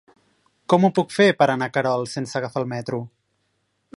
Com ho puc fer per anar a Querol sense agafar el metro?